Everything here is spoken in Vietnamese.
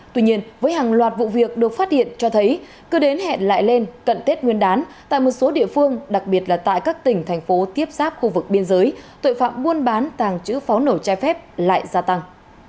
tuy nhiên với hàng loạt vụ việc được phát hiện cho thấy cứ đến hẹn lại lên cận tết nguyên đán tại một số địa phương đặc biệt là tại các tỉnh thành phố tiếp sáp khu vực biên giới tội phạm buôn bán tàng trữ pháo nổ chai phép lại gia tăng